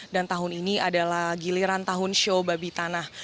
dan tahun ini adalah giliran tahun show babi tanah